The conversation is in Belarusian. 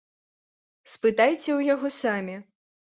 Спытайце ў яго самі.